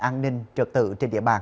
an ninh trật tế